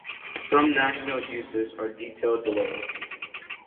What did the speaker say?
Some national uses are detailed below.